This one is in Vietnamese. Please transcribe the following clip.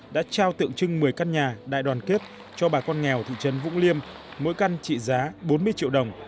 đã trao tượng trưng một mươi căn nhà đại đoàn kết cho bà con nghèo thị trấn vũng liêm mỗi căn trị giá bốn mươi triệu đồng